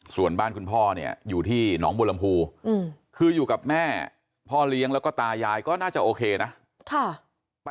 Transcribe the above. ส่วนบ้านคุณพ่อเนี่ยอยู่ที่หนองบัวลำพูคืออยู่กับแม่พ่อเลี้ยงแล้วก็ตายายก็น่าจะโอเคนะ